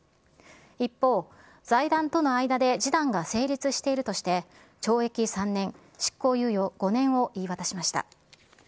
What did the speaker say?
一方、財団との間で示談が成立しているとして、懲役３年執行猶予５年を言い渡しました。